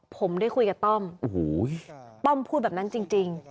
ผมได้คุยกับต้อมโอ้โหต้อมพูดแบบนั้นจริง